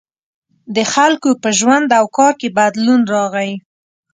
• د خلکو په ژوند او کار کې بدلون راغی.